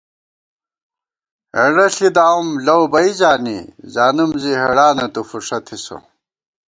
ہېڑہ ݪِی داوُم لَؤ بئ زانی، زانُوم زی ہېڑانہ تُو فُݭہ تھِسہ